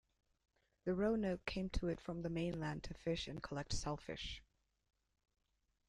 The Roanoke came to it from the mainland to fish and collect shellfish.